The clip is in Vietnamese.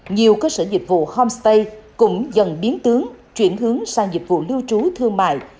nhiều cơ sở dịch vụ homestay cũng dần biến tướng chuyển hướng sang dịch vụ lưu trú thương mại